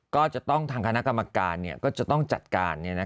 ก็จะต้องทางคณะกรรมการเนี่ยก็จะต้องจัดการเนี่ยนะคะ